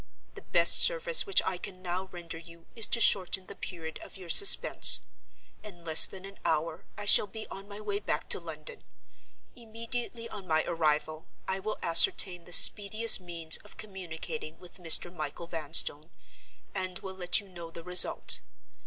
The best service which I can now render you is to shorten the period of your suspense. In less than an hour I shall be on my way back to London. Immediately on my arrival, I will ascertain the speediest means of communicating with Mr. Michael Vanstone; and will let you know the result.